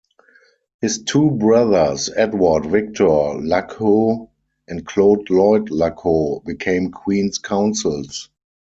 His two brothers, Edward Victor Luckhoo and Claude Lloyd Luckhoo, became Queen's Counsels.